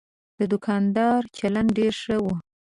د دوکاندار چلند ډېر ښه و.